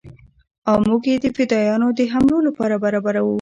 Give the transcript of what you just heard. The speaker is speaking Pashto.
او موږ يې د فدايانو د حملو لپاره برابرو.